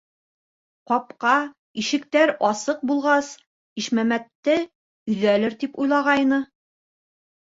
Ҡапҡа, ишектәр асыҡ булғас, Ишмәмәтте өйҙәлер тип уйлағайны.